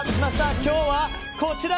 今日はこちら！